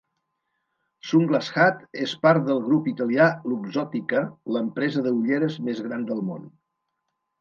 Sunglass Hut és part del grup italià Luxottica, l'empresa de ulleres més gran del món.